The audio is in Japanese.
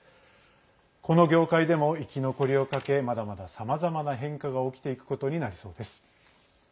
この業界でも生き残りをかけまだまだ、さまざまな変化が起きていくことになりそうです。